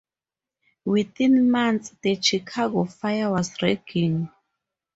Within months, "The Chicago Fire" was raging.